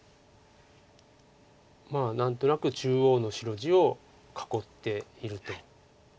まあ何となく中央の白地を囲っていると。